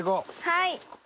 はい！